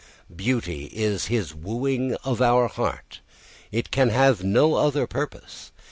Beauty is his wooing of our heart; it can have no other purpose.